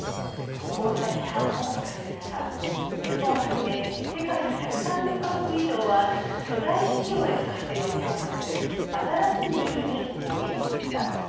こうした批判も聞かれる中日本をはじめ世界の１３０か国以上は巨大企業への課税を強化する新しいルールに、合意しました。